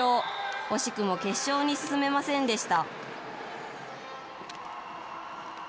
惜しくも決勝に進めませんでした。